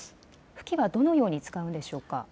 浮器はどのように使うのでしょうか。